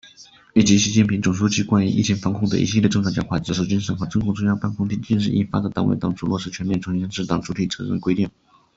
以及习近平总书记关于疫情防控的一系列重要讲话、指示精神和中共中央办公厅近日印发的《党委（党组）落实全面从严治党主体责任规定》